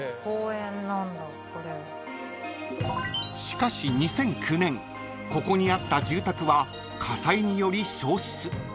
［しかし２００９年ここにあった住宅は火災により焼失］